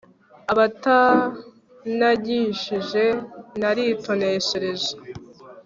abatanagishije naritoneshereje